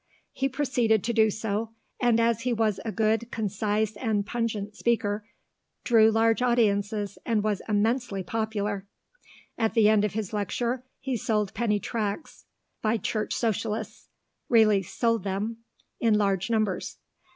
He proceeded to do so, and as he was a good, concise, and pungent speaker, drew large audiences and was immensely popular. At the end of his lecture he sold penny tracts by Church Socialists; really sold them, in large numbers.